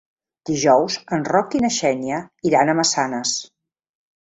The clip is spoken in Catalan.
Dijous en Roc i na Xènia iran a Massanes.